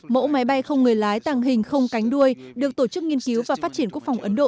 mẫu máy bay không người lái tàng hình không cánh đuôi được tổ chức nghiên cứu và phát triển quốc phòng ấn độ